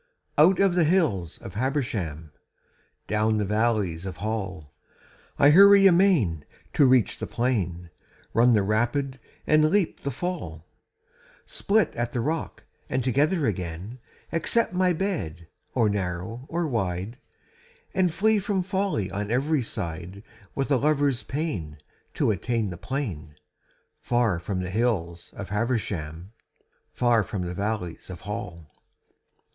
Out of the hills of Habersham, Down the valleys of Hall, I hurry amain to reach the plain, Run the rapid and leap the fall, Split at the rock and together again, Accept my bed, or narrow or wide, And flee from folly on every side With a lover's pain to attain the plain Far from the hills of Habersham, Far from the valleys of Hall.